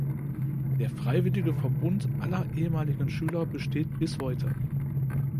Der freiwillige Verbund aller ehemaligen Schüler besteht bis heute.